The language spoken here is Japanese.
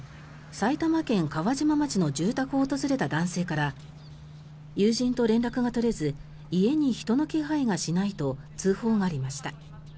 埼玉県川島町の住宅を訪れた男性から友人と連絡が取れず家に人の気配がしないと通報がありました。